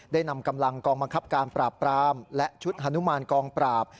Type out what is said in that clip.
นำกำลังกองบังคับการปราบปรามและชุดฮานุมานกองปราบ